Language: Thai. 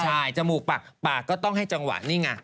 ใช่จมูกปากก็ต้องให้จังหวะนี่ไง